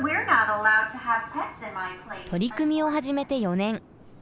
取り組みを始めて４年。